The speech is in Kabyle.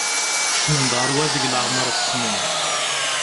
Kecmen-d ɣer wadeg leɛmer ssnen.